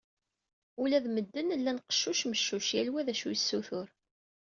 Ula d medden llan qeccuc meccuc, yal wa d acu yessutur.